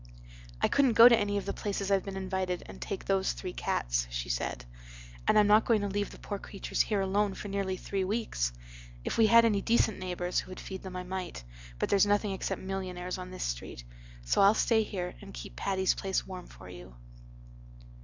"I couldn't go to any of the places I've been invited and take those three cats," she said. "And I'm not going to leave the poor creatures here alone for nearly three weeks. If we had any decent neighbors who would feed them I might, but there's nothing except millionaires on this street. So I'll stay here and keep Patty's Place warm for you."